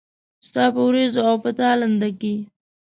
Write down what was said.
ستا په ورېځو او په تالنده کې